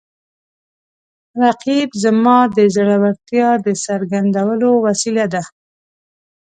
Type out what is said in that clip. رقیب زما د زړورتیا د څرګندولو وسیله ده